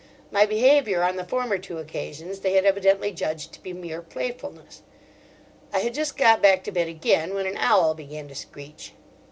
My behaviour on the former two occasions they had evidently judged to be mere playfulness. I had just got back to bed again when an owl began to screech.